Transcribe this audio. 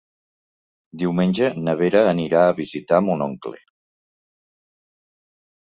Diumenge na Vera anirà a visitar mon oncle.